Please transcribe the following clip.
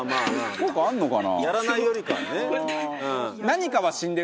「効果あるのかな？」